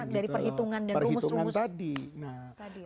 karena dari perhitungan dan rumus rumus